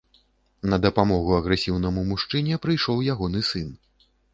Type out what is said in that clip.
На дапамогу агрэсіўнаму мужчыне прыйшоў ягоны сын.